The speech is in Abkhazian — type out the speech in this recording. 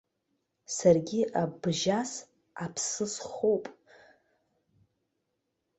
Саргьы абжьас аԥсы схоуп.